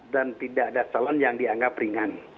tidak ada calon yang dianggap ringan